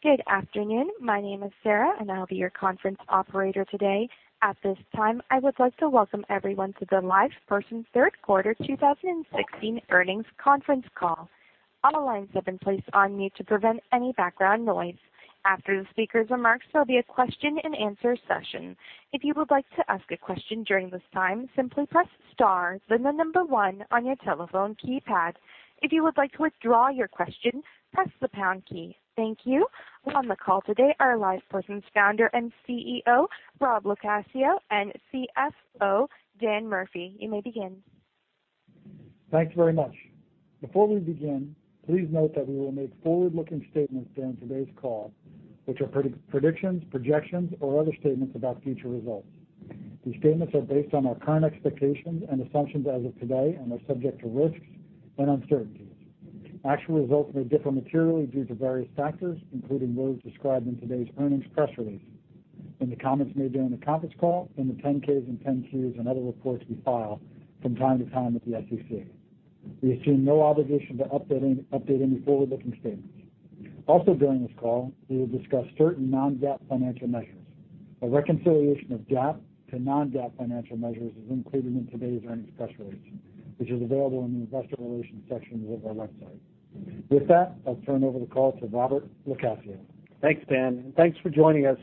Good afternoon. My name is Sarah, and I'll be your conference operator today. At this time, I would like to welcome everyone to the LivePerson Third Quarter 2016 Earnings Conference Call. All lines have been placed on mute to prevent any background noise. After the speaker's remarks, there'll be a question and answer session. If you would like to ask a question during this time, simply press star, then the number one on your telephone keypad. If you would like to withdraw your question, press the pound key. Thank you. On the call today are LivePerson's founder and CEO, Rob LoCascio, and CFO, Dan Murphy. You may begin. Thanks very much. Before we begin, please note that we will make forward-looking statements during today's call, which are predictions, projections, or other statements about future results. These statements are based on our current expectations and assumptions as of today and are subject to risks and uncertainties. Actual results may differ materially due to various factors, including those described in today's earnings press release. In the comments made during the conference call, in the 10-Ks and 10-Qs and other reports we file from time to time with the SEC. We assume no obligation to update any forward-looking statements. Also, during this call, we will discuss certain non-GAAP financial measures. A reconciliation of GAAP to non-GAAP financial measures is included in today's earnings press release, which is available in the investor relations sections of our website. With that, I'll turn over the call to Robert LoCascio. Thanks, Dan, and thanks for joining us,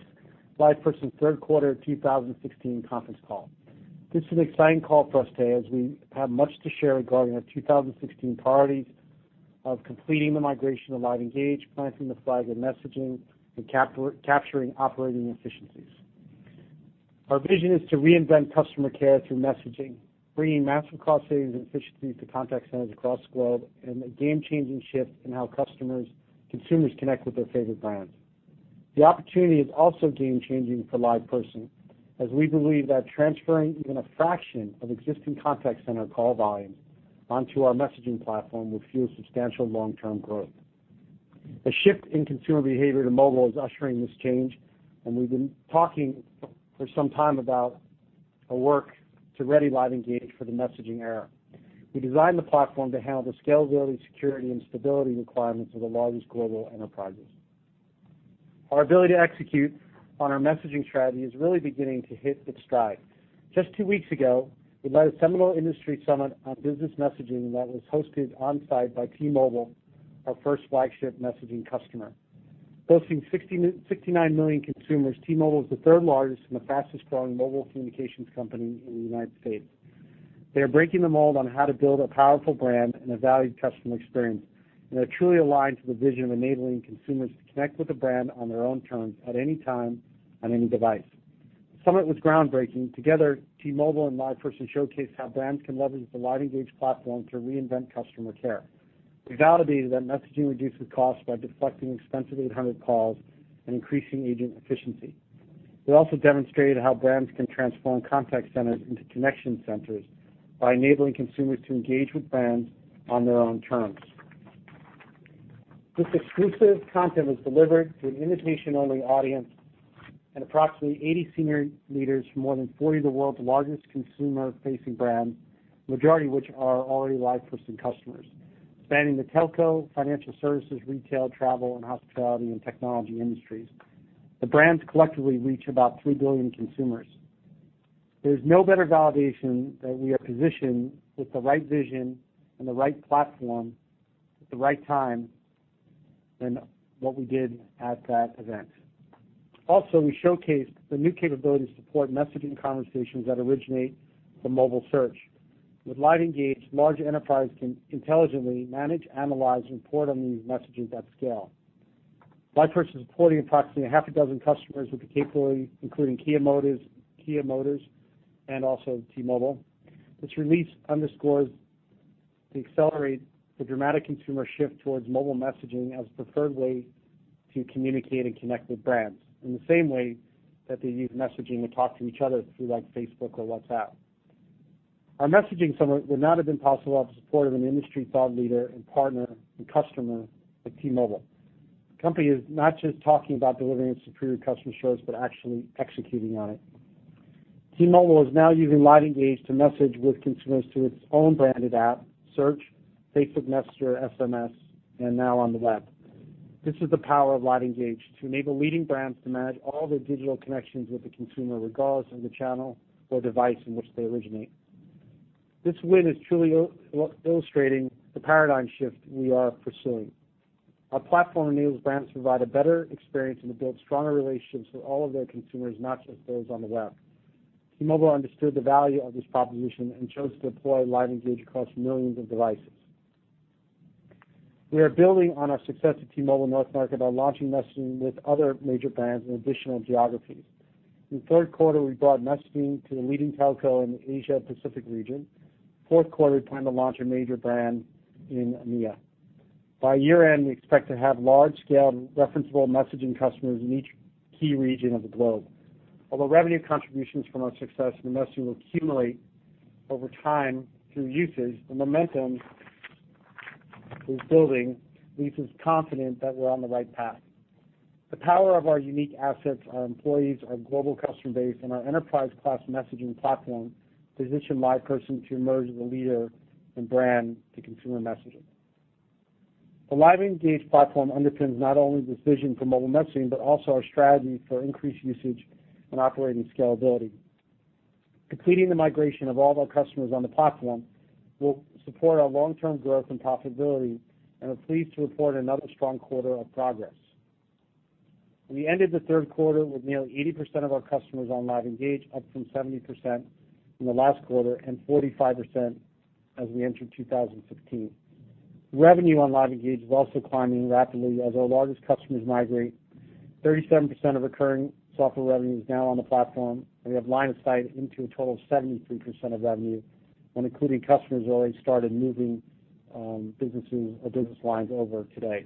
LivePerson's third quarter 2016 conference call. This is an exciting call for us today as we have much to share regarding our 2016 priorities of completing the migration of LiveEngage, planting the flag in messaging, and capturing operating efficiencies. Our vision is to reinvent customer care through messaging, bringing massive cost savings and efficiencies to contact centers across the globe and a game-changing shift in how consumers connect with their favorite brands. The opportunity is also game-changing for LivePerson, as we believe that transferring even a fraction of existing contact center call volumes onto our messaging platform will fuel substantial long-term growth. The shift in consumer behavior to mobile is ushering this change, and we've been talking for some time about our work to ready LiveEngage for the messaging era. We designed the platform to handle the scalability, security, and stability requirements of the largest global enterprises. Our ability to execute on our messaging strategy is really beginning to hit its stride. Just two weeks ago, we led a seminal industry summit on business messaging that was hosted on-site by T-Mobile, our first flagship messaging customer. Boasting 69 million consumers, T-Mobile is the third largest and the fastest-growing mobile communications company in the United States. They are breaking the mold on how to build a powerful brand and a valued customer experience. They're truly aligned to the vision of enabling consumers to connect with the brand on their own terms at any time, on any device. The summit was groundbreaking. Together, T-Mobile and LivePerson showcased how brands can leverage the LiveEngage platform to reinvent customer care. We validated that messaging reduces costs by deflecting expensive 800 calls and increasing agent efficiency. We also demonstrated how brands can transform contact centers into connection centers by enabling consumers to engage with brands on their own terms. This exclusive content was delivered to an invitation-only audience and approximately 80 senior leaders from more than 40 of the world's largest consumer-facing brands, the majority of which are already LivePerson customers. Spanning the telco, financial services, retail, travel and hospitality, and technology industries. The brands collectively reach about 3 billion consumers. There's no better validation that we are positioned with the right vision and the right platform at the right time than what we did at that event. We also showcased the new capability to support messaging conversations that originate from mobile search. With LiveEngage, large enterprises can intelligently manage, analyze, and report on these messages at scale. LivePerson is supporting approximately half a dozen customers with the capability, including Kia Motors and also T-Mobile. This release underscores the dramatic consumer shift towards mobile messaging as the preferred way to communicate and connect with brands, in the same way that they use messaging to talk to each other through Facebook or WhatsApp. Our messaging summit would not have been possible without the support of an industry thought leader and partner and customer like T-Mobile. The company is not just talking about delivering a superior customer service, but actually executing on it. T-Mobile is now using LiveEngage to message with consumers through its own branded app, Search, Facebook Messenger, SMS, and now on the web. This is the power of LiveEngage to enable leading brands to manage all their digital connections with the consumer, regardless of the channel or device in which they originate. This win is truly illustrating the paradigm shift we are pursuing. Our platform enables brands to provide a better experience and to build stronger relationships with all of their consumers, not just those on the web. T-Mobile understood the value of this proposition and chose to deploy LiveEngage across millions of devices. We are building on our success with T-Mobile [inaudible] by launching messaging with other major brands in additional geographies. In the third quarter, we brought messaging to the leading telco in the Asia-Pacific region. Fourth quarter, we plan to launch a major brand in EMEA. By year-end, we expect to have large-scale referenceable messaging customers in each key region of the globe. Although revenue contributions from our success in messaging will accumulate over time through usage, the momentum is building, leaves us confident that we're on the right path. The power of our unique assets, our employees, our global customer base, and our enterprise-class messaging platform position LivePerson to emerge as a leader brand to consumer messaging. The LiveEngage platform underpins not only the vision for mobile messaging, but also our strategy for increased usage and operating scalability. Completing the migration of all of our customers on the platform will support our long-term growth and profitability, and we're pleased to report another strong quarter of progress. We ended the third quarter with nearly 80% of our customers on LiveEngage, up from 70% in the last quarter, and 45% as we entered 2016. Revenue on LiveEngage is also climbing rapidly as our largest customers migrate. 37% of recurring software revenue is now on the platform, and we have line of sight into a total of 73% of revenue when including customers who already started moving businesses or business lines over today.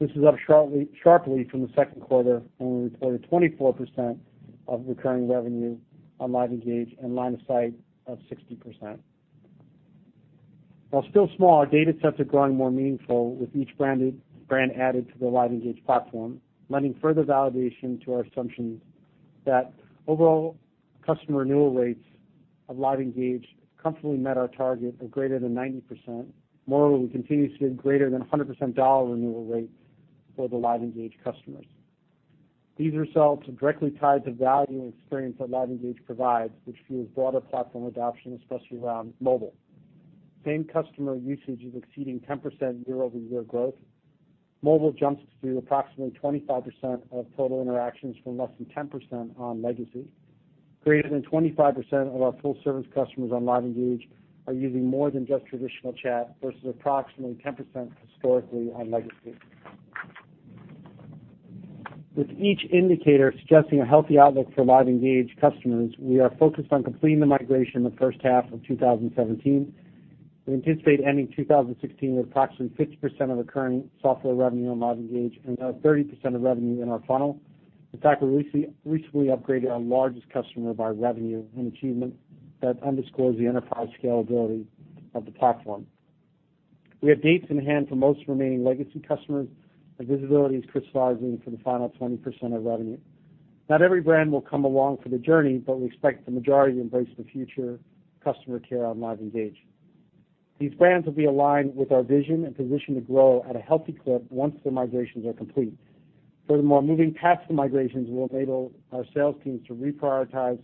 This is up sharply from the second quarter, when we reported 24% of recurring revenue on LiveEngage and line of sight of 60%. While still small, our data sets are growing more meaningful with each brand added to the LiveEngage platform, lending further validation to our assumptions that overall customer renewal rates of LiveEngage comfortably met our target of greater than 90%. Moreover, we continue to see greater than 100% dollar renewal rates for the LiveEngage customers. These results are directly tied to value and experience that LiveEngage provides, which fuels broader platform adoption, especially around mobile. Same-customer usage is exceeding 10% year-over-year growth. Mobile jumps to approximately 25% of total interactions from less than 10% on legacy. Greater than 25% of our full-service customers on LiveEngage are using more than just traditional chat, versus approximately 10% historically on legacy. With each indicator suggesting a healthy outlook for LiveEngage customers, we are focused on completing the migration in the first half of 2017. We anticipate ending 2016 with approximately 50% of recurring software revenue on LiveEngage and 30% of revenue in our funnel. In fact, we recently upgraded our largest customer by revenue, an achievement that underscores the enterprise scalability of the platform. We have dates in hand for most remaining legacy customers, and visibility is crystallizing for the final 20% of revenue. Not every brand will come along for the journey, but we expect the majority to embrace the future customer care on LiveEngage. These brands will be aligned with our vision and positioned to grow at a healthy clip once the migrations are complete. Furthermore, moving past the migrations will enable our sales teams to reprioritize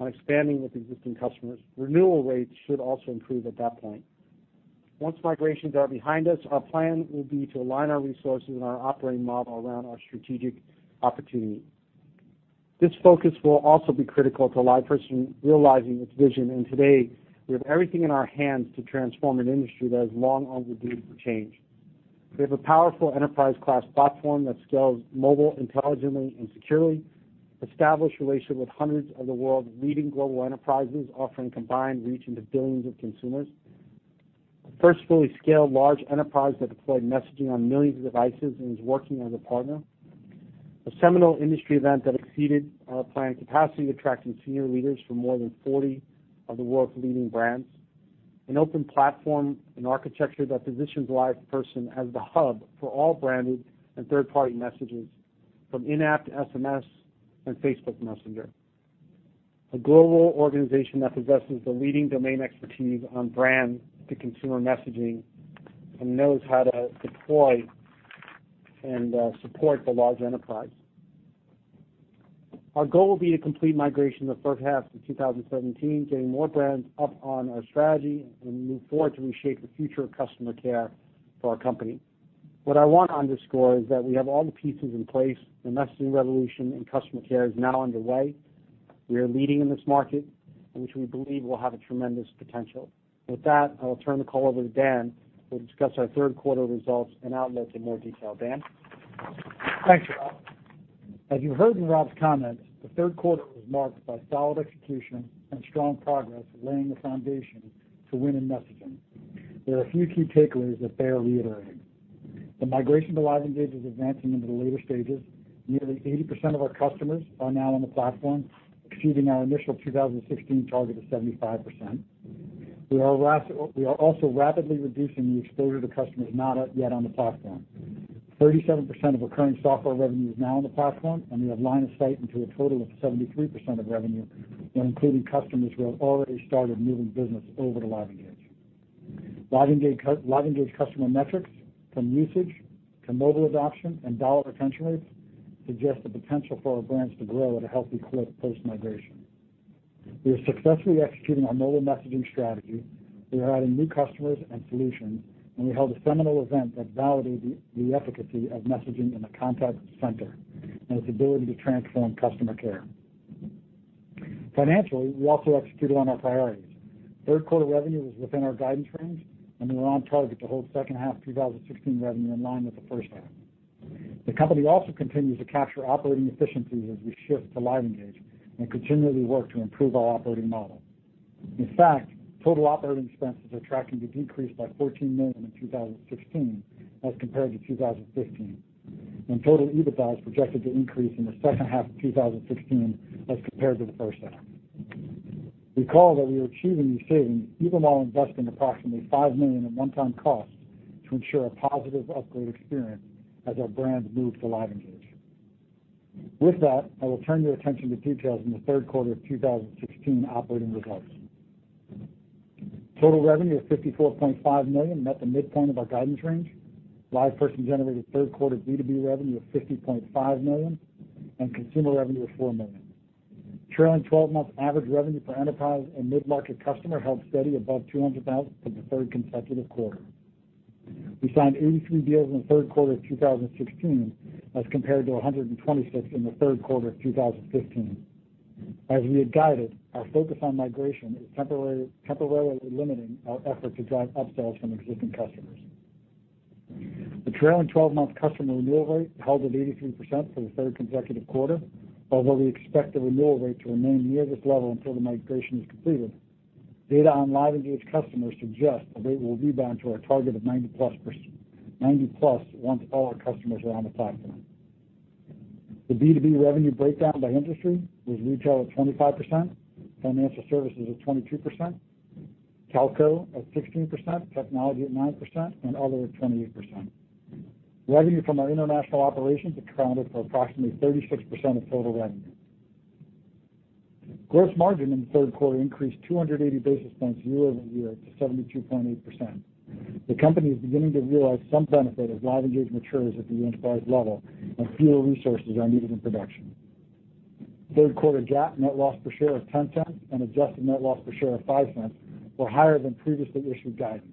on expanding with existing customers. Renewal rates should also improve at that point. Once migrations are behind us, our plan will be to align our resources and our operating model around our strategic opportunity. This focus will also be critical to LivePerson realizing its vision, and today, we have everything in our hands to transform an industry that is long overdue for change. We have a powerful enterprise-class platform that scales mobile intelligently and securely. Established relationships with hundreds of the world's leading global enterprises, offering combined reach into billions of consumers. The first fully scaled large enterprise that deployed messaging on millions of devices and is working as a partner. A seminal industry event that exceeded our planned capacity, attracting senior leaders from more than 40 of the world's leading brands. An open platform and architecture that positions LivePerson as the hub for all branded and third-party messages, from in-app to SMS and Facebook Messenger. A global organization that possesses the leading domain expertise on brand-to-consumer messaging and knows how to deploy and support the large enterprise. Our goal will be to complete migration in the first half of 2017, getting more brands up on our strategy as we move forward to reshape the future of customer care for our company. What I want to underscore is that we have all the pieces in place. The messaging revolution in customer care is now underway. We are leading in this market, which we believe will have a tremendous potential. With that, I will turn the call over to Dan, who will discuss our third quarter results and outlook in more detail. Dan? Thanks, Rob. As you heard in Rob's comments, the third quarter was marked by solid execution and strong progress laying the foundation to win in messaging. There are a few key takeaways that bear reiterating. The migration to LiveEngage is advancing into the later stages. Nearly 80% of our customers are now on the platform, exceeding our initial 2016 target of 75%. We are also rapidly reducing the exposure to customers not yet on the platform. 37% of recurring software revenue is now on the platform, and we have line of sight into a total of 73% of revenue when including customers who have already started moving business over to LiveEngage. LiveEngage customer metrics from usage to mobile adoption and dollar retention rates suggest the potential for our brands to grow at a healthy clip post-migration. We are successfully executing our mobile messaging strategy. We are adding new customers and solutions, and we held a seminal event that validated the efficacy of messaging in the contact center and its ability to transform customer care. Financially, we also executed on our priorities. Third quarter revenue was within our guidance range, and we're on target to hold second half 2016 revenue in line with the first half. The company also continues to capture operating efficiencies as we shift to LiveEngage and continually work to improve our operating model. In fact, total operating expenses are tracking to decrease by $14 million in 2016 as compared to 2015, and total EBITDA is projected to increase in the second half of 2016 as compared to the first half. Recall that we are achieving these savings even while investing approximately $5 million in one-time costs to ensure a positive upgrade experience as our brands move to LiveEngage. With that, I will turn your attention to details in the third quarter of 2016 operating results. Total revenue of $54.5 million met the midpoint of our guidance range. LivePerson generated third quarter B2B revenue of $50.5 million and consumer revenue of $4 million. Trailing 12-month average revenue per enterprise and mid-market customer held steady above $200,000 for the third consecutive quarter. We signed 83 deals in the third quarter of 2016 as compared to 126 in the third quarter of 2015. As we had guided, our focus on migration is temporarily limiting our effort to drive upsells from existing customers. The trailing 12-month customer renewal rate held at 83% for the third consecutive quarter, although we expect the renewal rate to remain near this level until the migration is completed. Data on LiveEngage customers suggests the rate will rebound to our target of 90-plus once all our customers are on the platform. The B2B revenue breakdown by industry was retail at 25%, financial services at 22%, telco at 16%, technology at 9%, and other at 28%. Revenue from our international operations accounted for approximately 36% of total revenue. Gross margin in the third quarter increased 280 basis points year-over-year to 72.8%. The company is beginning to realize some benefit as LiveEngage matures at the enterprise level and fewer resources are needed in production. Third quarter GAAP net loss per share of $0.10 and adjusted net loss per share of $0.05 were higher than previously issued guidance.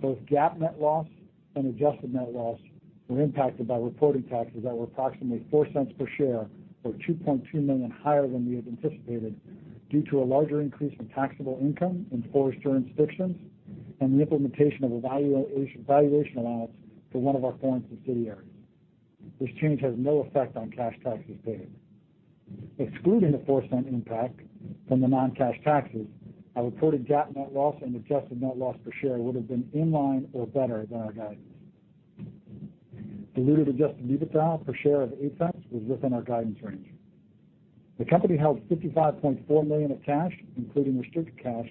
Both GAAP net loss and adjusted net loss were impacted by reporting taxes that were approximately $0.04 per share or $2.2 million higher than we had anticipated due to a larger increase in taxable income in foreign jurisdictions and the implementation of a valuation allowance for one of our foreign subsidiaries. This change has no effect on cash taxes paid. Excluding the $0.04 impact from the non-cash taxes, our reported GAAP net loss and adjusted net loss per share would've been in line or better than our guidance. Diluted adjusted EBITDA per share of $0.08 was within our guidance range. The company held $55.4 million of cash, including restricted cash,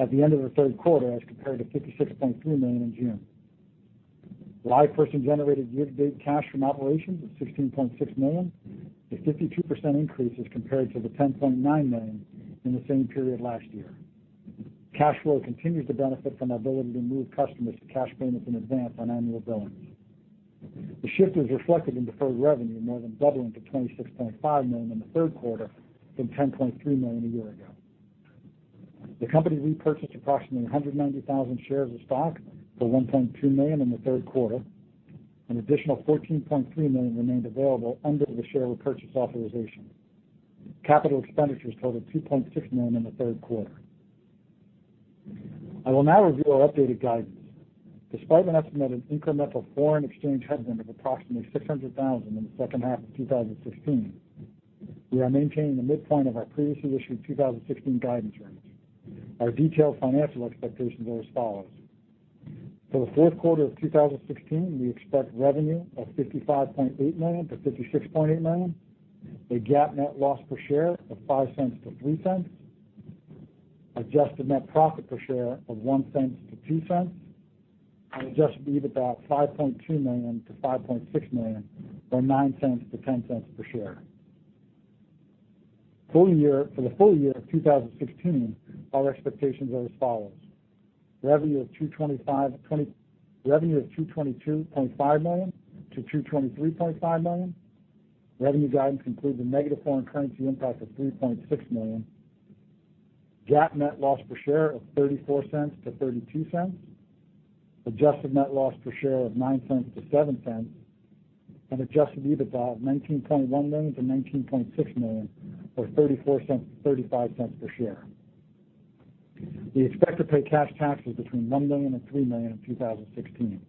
at the end of the third quarter, as compared to $56.3 million in June. LivePerson generated year-to-date cash from operations of $16.6 million, a 52% increase as compared to the $10.9 million in the same period last year. Cash flow continues to benefit from our ability to move customers to cash payments in advance on annual billings. The shift is reflected in deferred revenue, more than doubling to $26.5 million in the third quarter from $10.3 million a year ago. The company repurchased approximately 190,000 shares of stock for $1.2 million in the third quarter. An additional $14.3 million remained available under the share repurchase authorization. Capital expenditures totaled $2.6 million in the third quarter. I will now review our updated guidance. Despite an estimated incremental foreign exchange headwind of approximately $600,000 in the second half of 2016, we are maintaining the midpoint of our previously issued 2016 guidance range. Our detailed financial expectations are as follows: For the fourth quarter of 2016, we expect revenue of $55.8 million-$56.8 million, a GAAP net loss per share of $0.05-$0.03, adjusted net profit per share of $0.01-$0.02, and adjusted EBITDA of $5.2 million-$5.6 million, or $0.09-$0.10 per share. For the full year of 2016, our expectations are as follows: Revenue of $222.5 million-$223.5 million. Revenue guidance includes a negative foreign currency impact of $3.6 million. GAAP net loss per share of $0.34-$0.32. Adjusted net loss per share of $0.09-$0.07. And adjusted EBITDA of $19.1 million-$19.6 million or $0.34-$0.35 per share. We expect to pay cash taxes between $1 million and $3 million in 2016.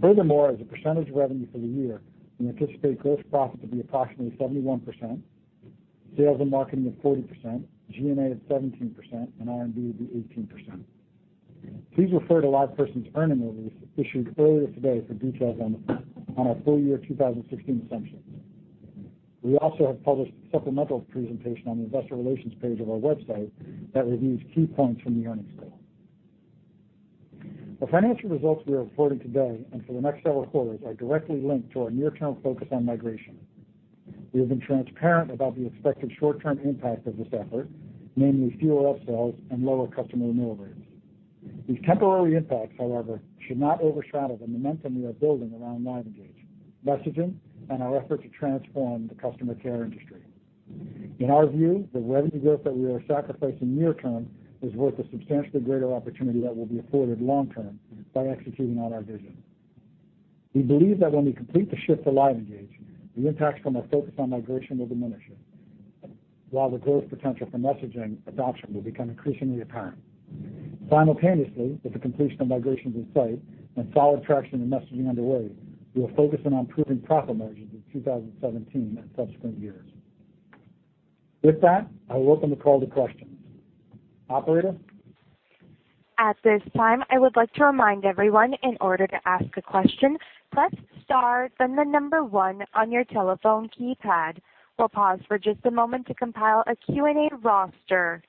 Furthermore, as a percentage of revenue for the year, we anticipate gross profit to be approximately 71%, sales and marketing of 40%, G&A of 17%, and R&D will be 18%. Please refer to LivePerson's earnings release issued earlier today for details on our full-year 2016 assumptions. We also have published a supplemental presentation on the investor relations page of our website that reviews key points from the earnings call. The financial results we are reporting today and for the next several quarters are directly linked to our near-term focus on migration. We have been transparent about the expected short-term impact of this effort, namely fewer upsells and lower customer renewal rates. These temporary impacts, however, should not overshadow the momentum we are building around LiveEngage, messaging, and our effort to transform the customer care industry. In our view, the revenue growth that we are sacrificing near-term is worth the substantially greater opportunity that will be afforded long-term by executing on our vision. We believe that when we complete the shift to LiveEngage, the impacts from our focus on migration will diminish, while the growth potential for messaging adoption will become increasingly apparent. Simultaneously, with the completion of migrations in sight and solid traction in messaging underway, we are focusing on improving profit margins in 2017 and subsequent years. With that, I will open the call to questions. Operator? At this time, I would like to remind everyone, in order to ask a question, press star then the number one on your telephone keypad. We'll pause for just a moment to compile a Q&A roster.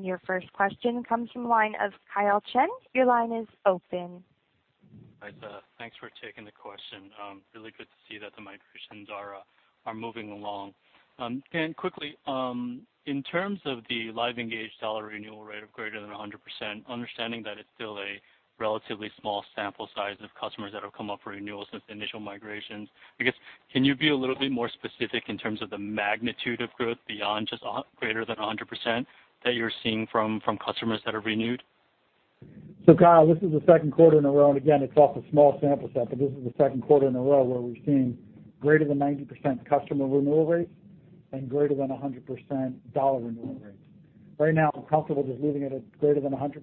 Your first question comes from the line of Kyle Chen. Your line is open. Hi. Thanks for taking the question. Really good to see that the migrations are moving along. Dan, quickly, in terms of the LiveEngage dollar renewal rate of greater than 100%, understanding that it's still a relatively small sample size of customers that have come up for renewal since the initial migrations, I guess, can you be a little bit more specific in terms of the magnitude of growth beyond just greater than 100% that you're seeing from customers that are renewed? Kyle, this is the second quarter in a row, and again, it's off a small sample set, but this is the second quarter in a row where we're seeing greater than 90% customer renewal rates and greater than 100% dollar renewal rates. Right now, I'm comfortable just leaving it at greater than 100%,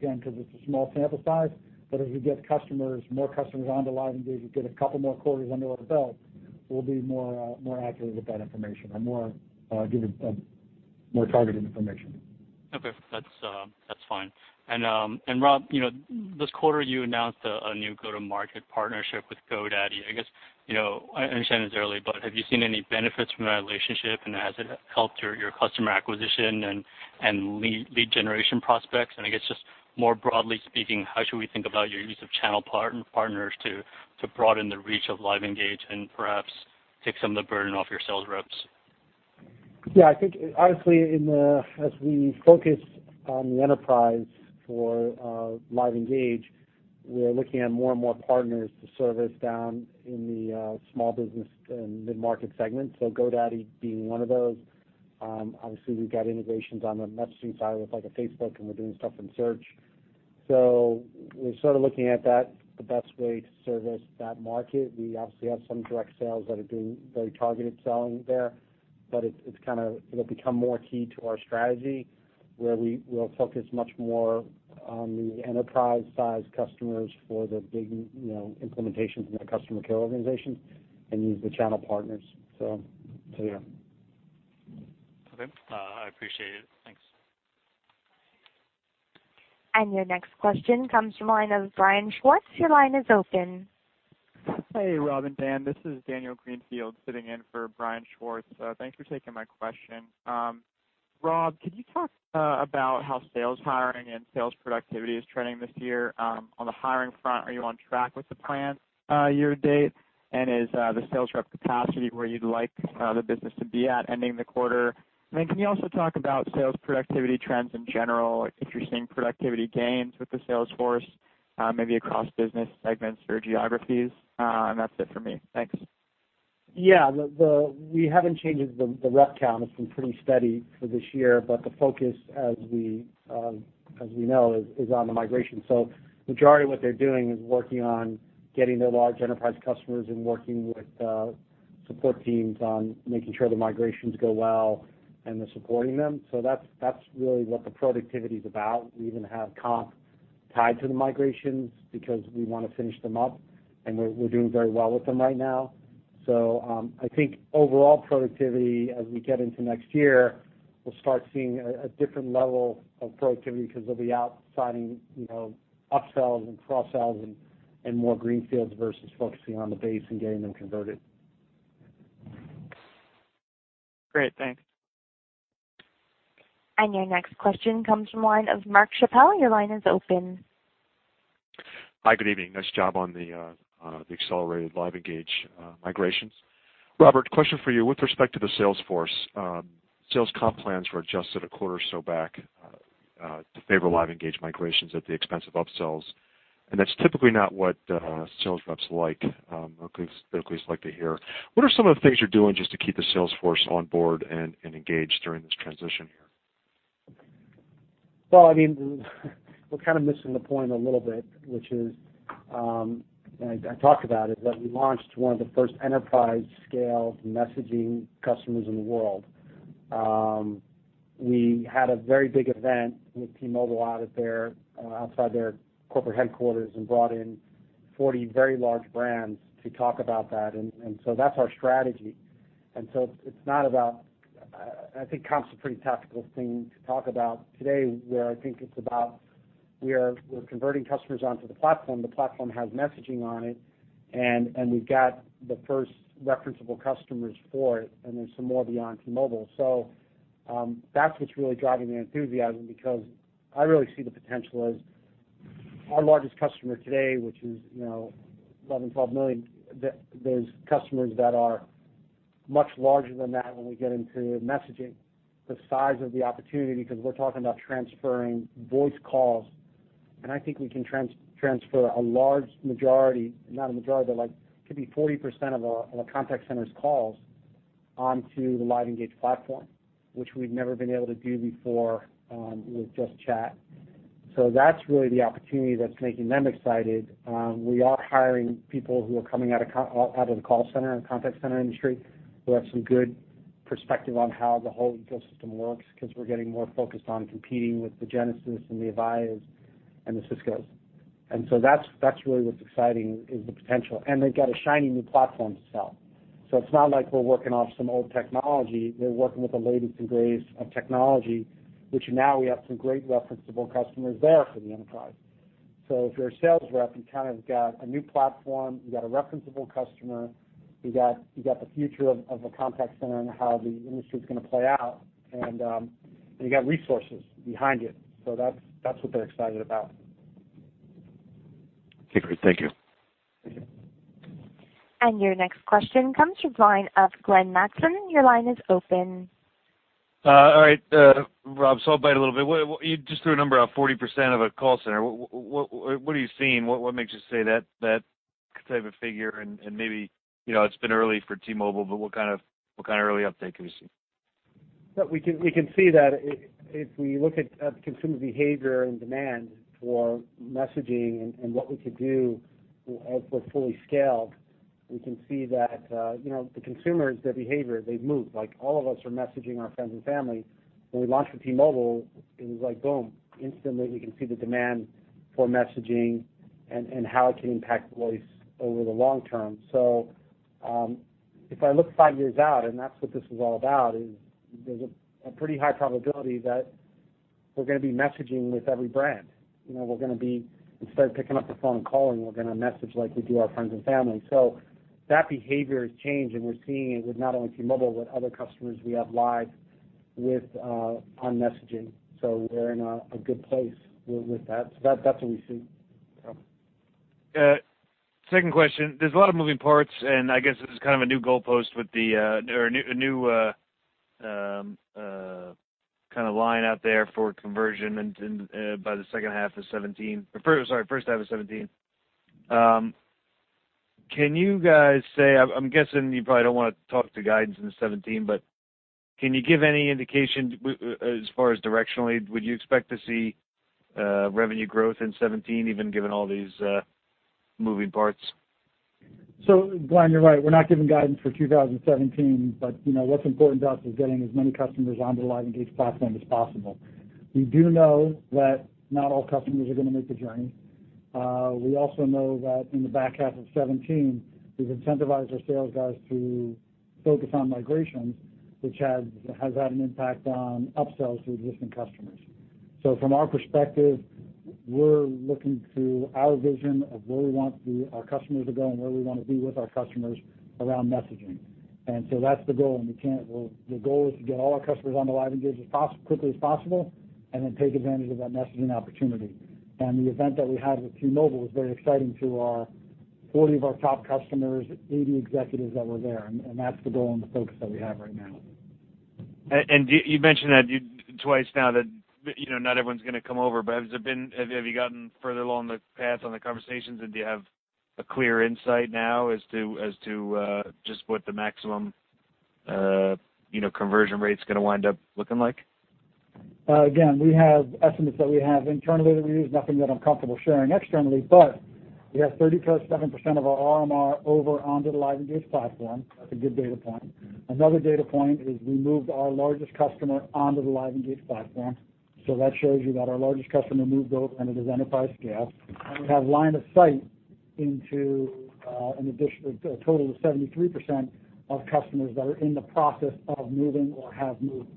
again, because it's a small sample size. As we get more customers onto LiveEngage and get a couple more quarters under our belt, we'll be more accurate with that information or give more targeted information. Okay. That's fine. Rob, this quarter you announced a new go-to-market partnership with GoDaddy. I understand it's early, but have you seen any benefits from that relationship, and has it helped your customer acquisition and lead generation prospects? I guess just more broadly speaking, how should we think about your use of channel partners to broaden the reach of LiveEngage and perhaps take some of the burden off your sales reps? Yeah, I think honestly, as we focus on the enterprise for LiveEngage, we're looking at more and more partners to service down in the small business and mid-market segments, GoDaddy being one of those. Obviously, we've got integrations on the NetSuite side with Facebook, and we're doing stuff in search. We're sort of looking at that, the best way to service that market. We obviously have some direct sales that are doing very targeted selling there, but it'll become more key to our strategy, where we'll focus much more on the enterprise-size customers for the big implementations in the customer care organization and use the channel partners. Yeah. Okay. I appreciate it. Thanks. Your next question comes from the line of Brian Schwartz. Your line is open. Hey, Rob and Dan. This is Daniel Greenfield sitting in for Brian Schwartz. Thanks for taking my question. Rob, could you talk about how sales hiring and sales productivity is trending this year? On the hiring front, are you on track with the plan year-to-date? Is the sales rep capacity where you'd like the business to be at ending the quarter? Can you also talk about sales productivity trends in general? If you're seeing productivity gains with the sales force, maybe across business segments or geographies? That's it for me. Thanks. Yeah. We haven't changed the rep count. It's been pretty steady for this year, but the focus, as we know, is on the migration. The majority of what they're doing is working on getting their large enterprise customers and working with support teams on making sure the migrations go well and they're supporting them. That's really what the productivity's about. We even have comp tied to the migrations because we want to finish them up, and we're doing very well with them right now. I think overall productivity, as we get into next year, we'll start seeing a different level of productivity because they'll be out signing up-sells and cross-sells and more greenfields versus focusing on the base and getting them converted. Great. Thanks. Your next question comes from the line of Mark Chappell. Your line is open. Hi, good evening. Nice job on the accelerated LiveEngage migrations. Robert, question for you. With respect to the sales force, sales comp plans were adjusted a quarter or so back to favor LiveEngage migrations at the expense of up-sells. That's typically not what sales reps like, or at least like to hear. What are some of the things you're doing just to keep the sales force on board and engaged during this transition here? Well, we're kind of missing the point a little bit, which is, and I talked about it, that we launched one of the first enterprise-scale messaging customers in the world. We had a very big event with T-Mobile out at their corporate headquarters and brought in 40 very large brands to talk about that. That's our strategy. It's not about-- I think comps a pretty tactical thing to talk about today, where I think it's about we're converting customers onto the platform. The platform has messaging on it, and we've got the first referenceable customers for it, and there's some more beyond T-Mobile. That's what's really driving the enthusiasm because I really see the potential as our largest customer today, which is $11 million, $12 million. There's customers that are much larger than that when we get into messaging, the size of the opportunity, because we're talking about transferring voice calls, and I think we can transfer a large majority, not a majority, but could be 40% of a contact center's calls onto the LiveEngage platform, which we've never been able to do before with just chat. That's really the opportunity that's making them excited. We are hiring people who are coming out of the call center and contact center industry who have some good perspective on how the whole ecosystem works because we're getting more focused on competing with the Genesys and the Avayas and the Ciscos. That's really what's exciting, is the potential. They've got a shiny new platform to sell. It's not like we're working off some old technology. We're working with the latest and greatest of technology, which now we have some great referenceable customers there for the enterprise. If you're a sales rep, you've got a new platform, you've got a referenceable customer, you've got the future of the contact center and how the industry's going to play out, and you got resources behind you. That's what they're excited about. Okay, great. Thank you. Thank you. Your next question comes from the line of Glen Maxim. Your line is open. Rob, I'll bite a little bit. You just threw a number out, 40% of a call center. What are you seeing? What makes you say that type of figure, and maybe, it's been early for T-Mobile, but what kind of early uptake have you seen? We can see that if we look at consumer behavior and demand for messaging and what we could do as we're fully scaled, we can see that the consumers, their behavior, they've moved. All of us are messaging our friends and family. When we launched with T-Mobile, it was like, boom. Instantly, we can see the demand for messaging and how it can impact voice over the long term. If I look five years out, and that's what this is all about, there's a pretty high probability that we're going to be messaging with every brand. Instead of picking up the phone and calling, we're going to message like we do our friends and family. That behavior has changed, and we're seeing it with not only T-Mobile, but other customers we have live with on messaging. We're in a good place with that. That's what we see. Second question, there's a lot of moving parts. I guess this is kind of a new goalpost with the, or a new line out there for conversion by the second half of 2017. Sorry, first half of 2017. Can you guys say, I'm guessing you probably don't want to talk to guidance in the 2017, can you give any indication as far as directionally, would you expect to see revenue growth in 2017 even given all these moving parts? Glen, you're right, we're not giving guidance for 2017, what's important to us is getting as many customers onto the LiveEngage platform as possible. We do know that not all customers are going to make the journey. We also know that in the back half of 2017, we've incentivized our sales guys to focus on migration, which has had an impact on upsells to existing customers. From our perspective, we're looking through our vision of where we want our customers to go and where we want to be with our customers around messaging. That's the goal, the goal is to get all our customers on the LiveEngage as quickly as possible, take advantage of that messaging opportunity. The event that we had with T-Mobile was very exciting to 40 of our top customers, 80 executives that were there, that's the goal and the focus that we have right now. You mentioned that twice now that not everyone's going to come over. Have you gotten further along the path on the conversations, do you have a clear insight now as to just what the maximum conversion rate's gonna wind up looking like? Again, we have estimates that we have internally that we use, nothing that I'm comfortable sharing externally, we have 37% of our RMR over onto the LiveEngage platform. That's a good data point. Another data point is we moved our largest customer onto the LiveEngage platform. That shows you that our largest customer moved over, it is enterprise scale. We have line of sight into a total of 73% of customers that are in the process of moving or have moved.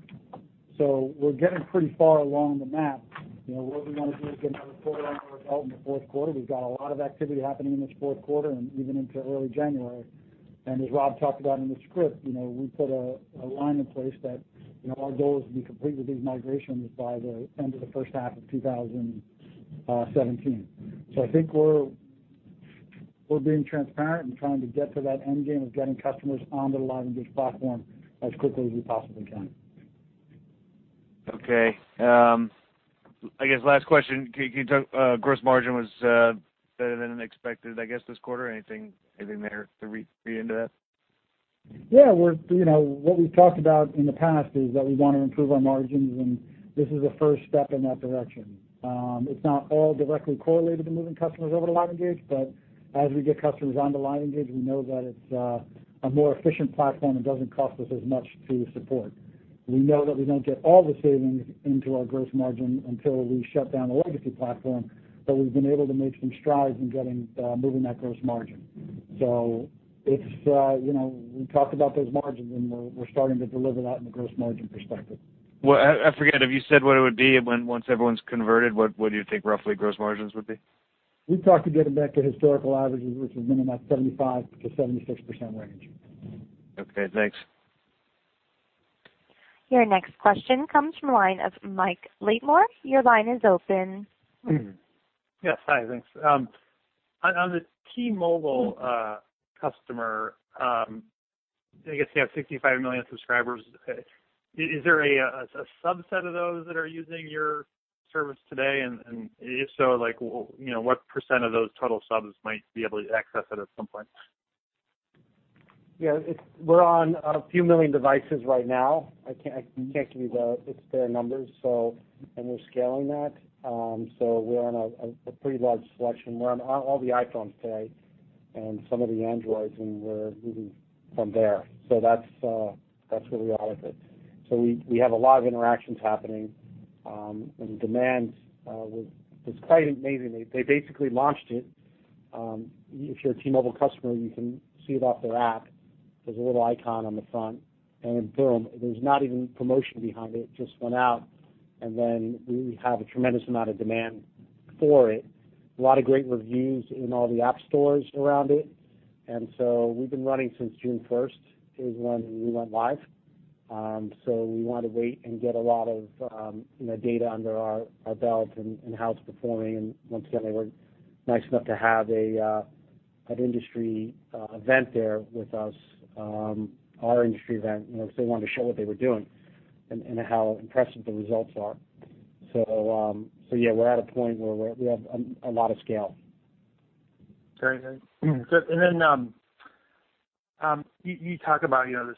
We're getting pretty far along the map. What we want to do is get another quarter under our belt in the fourth quarter. We've got a lot of activity happening in this fourth quarter and even into early January. As Rob talked about in the script, we put a line in place that our goal is to be complete with these migrations by the end of the first half of 2017. I think we're being transparent and trying to get to that end game of getting customers onto the LiveEngage platform as quickly as we possibly can. Okay. I guess last question, gross margin was better than expected, I guess, this quarter. Anything there to read into that? Yeah. What we've talked about in the past is that we want to improve our margins, and this is a first step in that direction. It's not all directly correlated to moving customers over to LiveEngage, but as we get customers onto LiveEngage, we know that it's a more efficient platform and doesn't cost us as much to support. We know that we don't get all the savings into our gross margin until we shut down the legacy platform, but we've been able to make some strides in moving that gross margin. We talked about those margins, and we're starting to deliver that in the gross margin perspective. Well, I forget, have you said what it would be when once everyone's converted, what do you think roughly gross margins would be? We've talked to getting back to historical averages, which has been in that 75%-76% range. Okay, thanks. Your next question comes from the line of Mike Latimore. Your line is open. Yes. Hi, thanks. On the T-Mobile customer, I guess you have 65 million subscribers. Is there a subset of those that are using your service today? If so, what % of those total subs might be able to access it at some point? Yeah. We're on a few million devices right now. I can't give you [inaudible] numbers. We're scaling that. We're on a pretty large selection. We're on all the iPhones today and some of the Androids, and we're moving from there. That's where we are with it. We have a lot of interactions happening, and the demand was quite amazing. They basically launched it If you're a T-Mobile customer, you can see it off their app. There's a little icon on the front, and boom. There's not even promotion behind it. It just went out, and then we have a tremendous amount of demand for it. A lot of great reviews in all the app stores around it. We've been running since June 1st, is when we went live. We wanted to wait and get a lot of data under our belt and how it's performing. And once again, they were nice enough to have an industry event there with us, our industry event, because they wanted to show what they were doing and how impressive the results are. Yeah, we're at a point where we have a lot of scale. Very good. You talk about this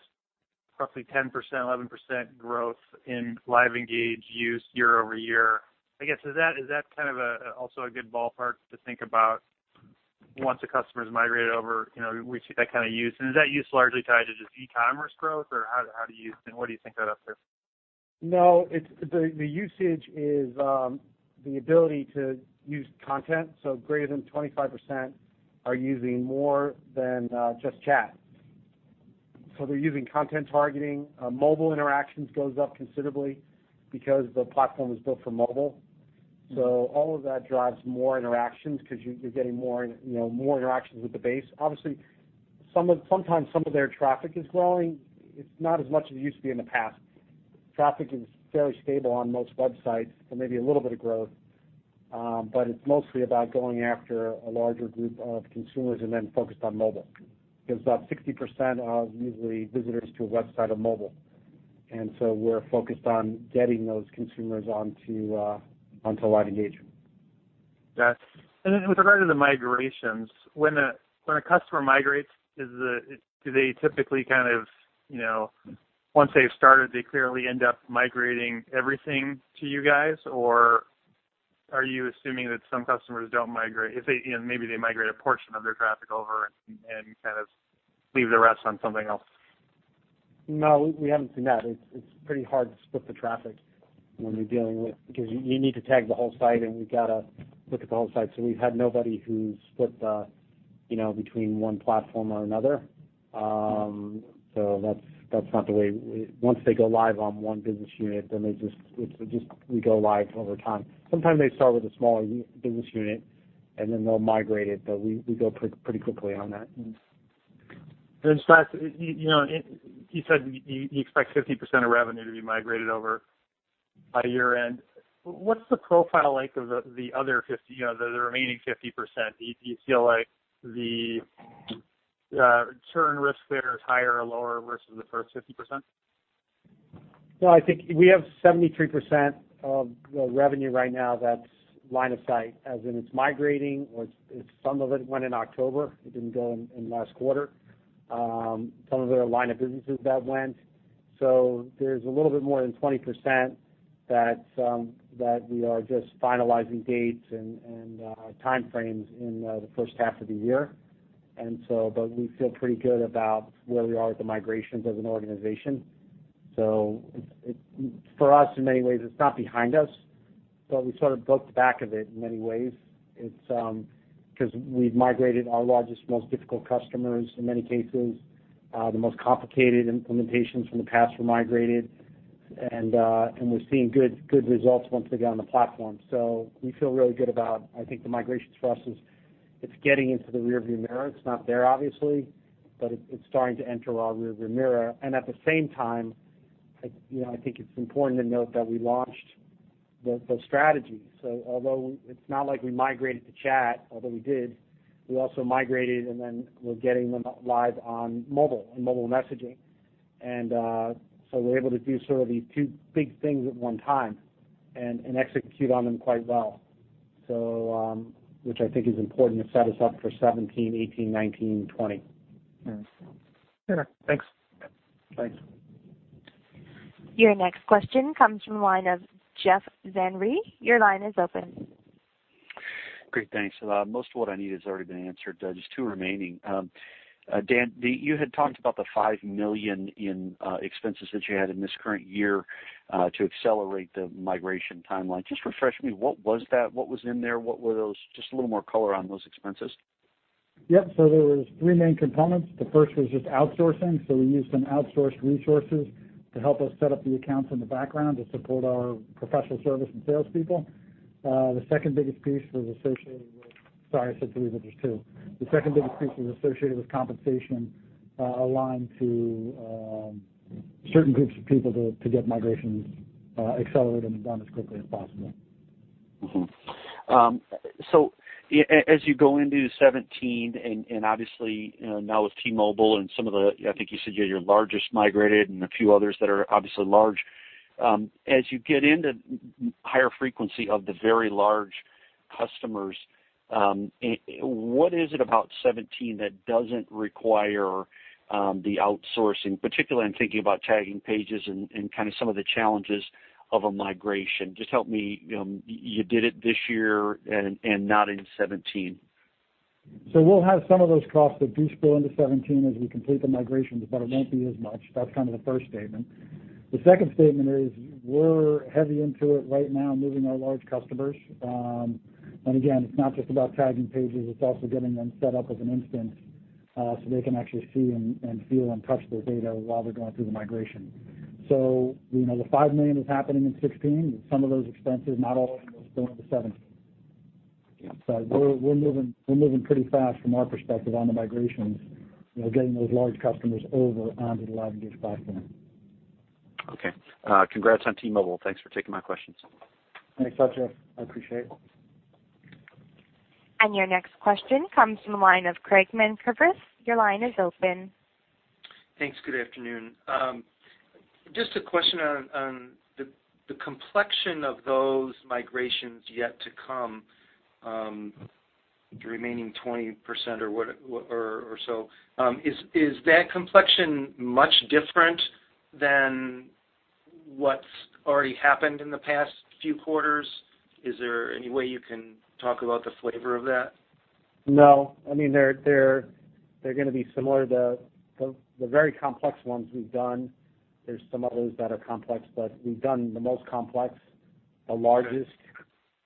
roughly 10%, 11% growth in LiveEngage use year-over-year. I guess, is that kind of also a good ballpark to think about once the customers migrate over, we see that kind of use? Is that use largely tied to just e-commerce growth, or what do you think that upsells? No, the usage is the ability to use content. Greater than 25% are using more than just chat. They're using content targeting. Mobile interactions goes up considerably because the platform is built for mobile. All of that drives more interactions because you're getting more interactions with the base. Obviously, sometimes some of their traffic is growing. It's not as much as it used to be in the past. Traffic is fairly stable on most websites, so maybe a little bit of growth. It's mostly about going after a larger group of consumers and then focused on mobile. Because about 60% of usually visitors to a website are mobile. We're focused on getting those consumers onto LiveEngage. Got it. Then with regard to the migrations, when a customer migrates, do they typically, once they've started, they clearly end up migrating everything to you guys? Or are you assuming that some customers don't migrate? Maybe they migrate a portion of their traffic over and leave the rest on something else. No, we haven't seen that. It's pretty hard to split the traffic when you're dealing with because you need to tag the whole site, and we've got to look at the whole site. We've had nobody who's split between one platform or another. That's not the way. Once they go live on one business unit, we go live over time. Sometimes they start with a smaller business unit, they'll migrate it, we go pretty quickly on that. Scott, you said you expect 50% of revenue to be migrated over by year-end. What's the profile like of the other 50, the remaining 50%? Do you feel like the churn risk there is higher or lower versus the first 50%? No, I think we have 73% of the revenue right now that's line of sight, as in it's migrating, or some of it went in October. It didn't go in last quarter. Some of their line of businesses that went. There's a little bit more than 20% that we are just finalizing dates and time frames in the first half of the year. We feel pretty good about where we are with the migrations as an organization. For us, in many ways, it's not behind us, we sort of broke the back of it in many ways. We've migrated our largest, most difficult customers, in many cases, the most complicated implementations from the past were migrated. We're seeing good results once they get on the platform. We feel really good about, I think the migrations for us is it is getting into the rearview mirror. It is not there, obviously, but it is starting to enter our rearview mirror. At the same time, I think it is important to note that we launched the strategy. Although it is not like we migrated to chat, although we did, we also migrated, then we are getting them live on mobile and mobile messaging. We are able to do sort of these two big things at one time and execute on them quite well. Which I think is important to set us up for 2017, 2018, 2019, and 2020. Fair. Thanks. Thanks. Your next question comes from the line of Jeff Zenry. Your line is open. Great. Thanks. Most of what I need has already been answered. Just two remaining. Dan, you had talked about the $5 million in expenses that you had in this current year to accelerate the migration timeline. Just refresh me, what was that? What was in there? What were those? Just a little more color on those expenses. Yep. There was three main components. The first was just outsourcing. We used some outsourced resources to help us set up the accounts in the background to support our professional service and sales people. Sorry, I said three, but there's two. The second biggest piece was associated with compensation aligned to certain groups of people to get migrations accelerated and done as quickly as possible. As you go into 2017 and obviously now with T-Mobile and some of the, I think you said, your largest migrated and a few others that are obviously large. As you get into higher frequency of the very large customers, what is it about 2017 that doesn't require the outsourcing, particularly I'm thinking about tagging pages and kind of some of the challenges of a migration. Just help me, you did it this year and not in 2017. We'll have some of those costs that do spill into 2017 as we complete the migrations, but it won't be as much. That's kind of the first statement. The second statement is we're heavy into it right now, moving our large customers. Again, it's not just about tagging pages, it's also getting them set up as an instance, so they can actually see and feel and touch their data while they're going through the migration. The $5 million is happening in 2016. Some of those expenses, not all of them, will spill into 2017. Yeah. We're moving pretty fast from our perspective on the migrations, getting those large customers over onto the LiveEngage platform. Okay. Congrats on T-Mobile. Thanks for taking my questions. Thanks. I appreciate it. Your next question comes from the line of Craig Menkhoff. Your line is open. Thanks. Good afternoon. Just a question on the complexion of those migrations yet to come, the remaining 20% or so. Is that complexion much different than what's already happened in the past few quarters? Is there any way you can talk about the flavor of that? No. They're going to be similar. The very complex ones we've done, there's some others that are complex, but we've done the most complex, the largest,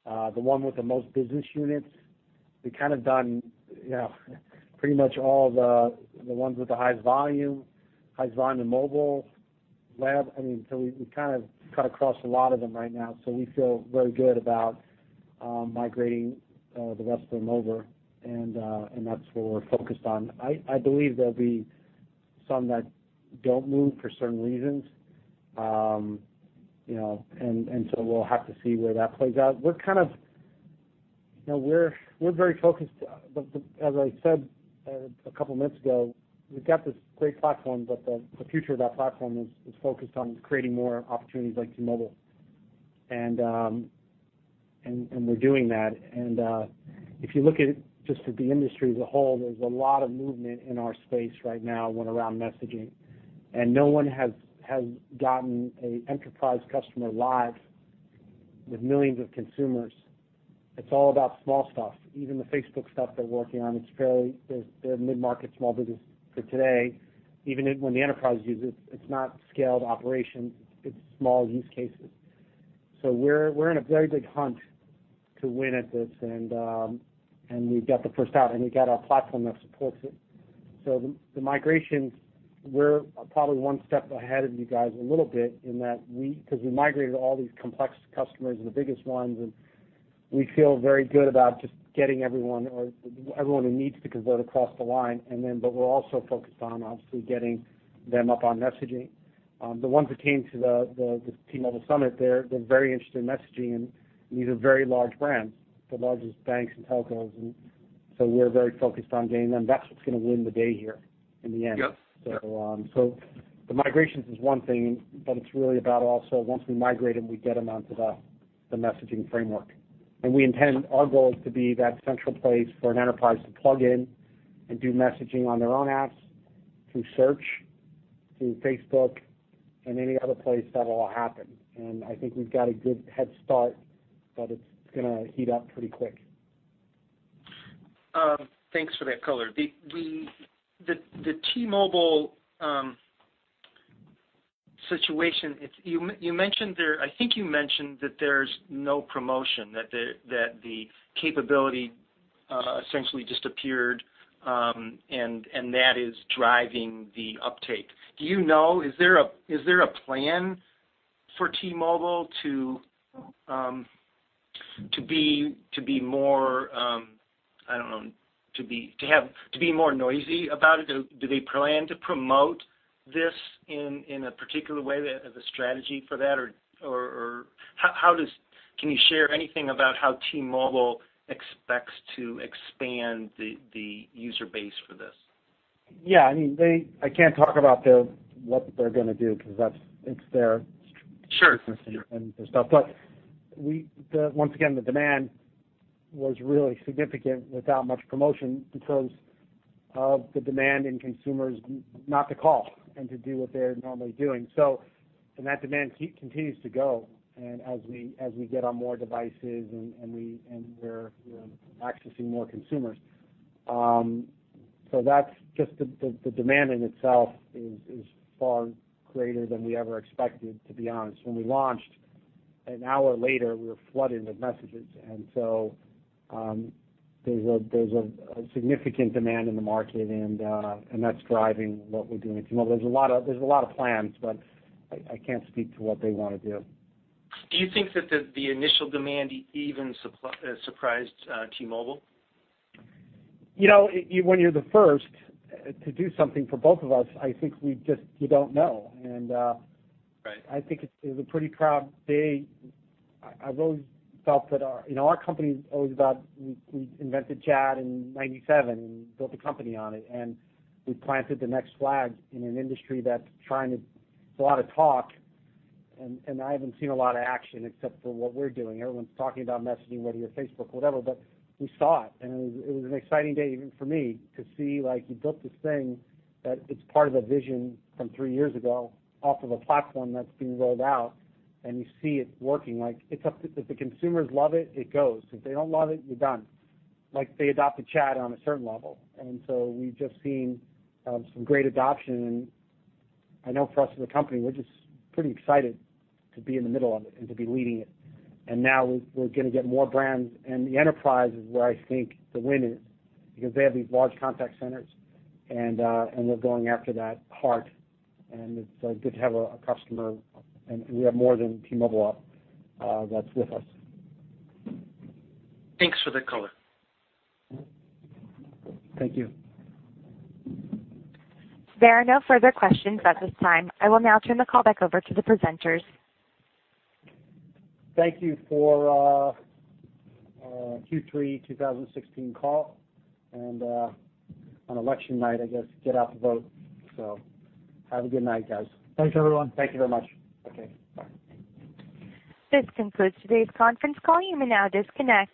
the one with the most business units. We've done pretty much all the ones with the highest volume, highest volume in mobile. We've cut across a lot of them right now, so we feel very good about migrating the rest of them over, and that's where we're focused on. I believe there'll be some that don't move for certain reasons. We'll have to see where that plays out. We're very focused, as I said a couple of minutes ago, we've got this great platform, but the future of that platform is focused on creating more opportunities like T-Mobile. We're doing that. If you look at just at the industry as a whole, there's a lot of movement in our space right now around messaging, and no one has gotten an enterprise customer live with millions of consumers. It's all about small stuff. Even the Facebook stuff they're working on, they're mid-market small business for today. Even when the enterprise uses it's not scaled operations, it's small use cases. We're in a very big hunt to win at this, and we've got the first out, and we've got our platform that supports it. The migrations, we're probably one step ahead of you guys a little bit in that because we migrated all these complex customers and the biggest ones, and we feel very good about just getting everyone, or everyone who needs to convert across the line. We're also focused on, obviously, getting them up on messaging. The ones who came to the T-Mobile summit, they're very interested in messaging, and these are very large brands, the largest banks and telcos, so we're very focused on getting them. That's what's going to win the day here in the end. Yep. The migrations is one thing, but it's really about also once we migrate them, we get them onto the messaging framework. We intend our goal is to be that central place for an enterprise to plug in and do messaging on their own apps, through search, through Facebook, and any other place that will happen. I think we've got a good head start, but it's going to heat up pretty quick. Thanks for that color. The T-Mobile situation, I think you mentioned that there's no promotion, that the capability essentially just appeared, that is driving the uptake. Do you know, is there a plan for T-Mobile to be more noisy about it? Do they plan to promote this in a particular way? Do they have a strategy for that? Can you share anything about how T-Mobile expects to expand the user base for this? Yeah, I can't talk about what they're going to do because it's their. Sure stuff. Once again, the demand was really significant without much promotion because of the demand in consumers not to call and to do what they're normally doing. That demand continues to go, as we get on more devices, and we're accessing more consumers. Just the demand in itself is far greater than we ever expected, to be honest. When we launched, one hour later, we were flooded with messages. There's a significant demand in the market, and that's driving what we're doing at T-Mobile. There's a lot of plans. I can't speak to what they want to do. Do you think that the initial demand even surprised T-Mobile? When you're the first to do something for both of us, I think you don't know. Right. I think it was a pretty proud day. Our company is always about, we invented chat in 1997 and built a company on it, and we planted the next flag in an industry that's a lot of talk, and I haven't seen a lot of action except for what we're doing. Everyone's talking about messaging, whether you're Facebook, whatever, but we saw it, and it was an exciting day even for me to see, like, you built this thing that it's part of a vision from three years ago off of a platform that's being rolled out, and you see it working. If the consumers love it goes. If they don't love it, you're done. They adopted chat on a certain level, and so we've just seen some great adoption, and I know for us as a company, we're just pretty excited to be in the middle of it and to be leading it. Now we're going to get more brands, and the enterprise is where I think the win is because they have these large contact centers, and we're going after that hard, and it's good to have a customer, and we have more than T-Mobile that's with us. Thanks for the color. Thank you. There are no further questions at this time. I will now turn the call back over to the presenters. Thank you for our Q3 2016 call. On election night, I guess, get out the vote. Have a good night, guys. Thanks, everyone. Thank you very much. Okay, bye. This concludes today's conference call. You may now disconnect.